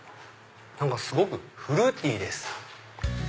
何かすごくフルーティーです。